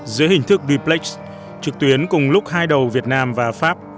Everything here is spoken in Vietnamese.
giữa hình thức duplex trực tuyến cùng lúc hai đầu việt nam và pháp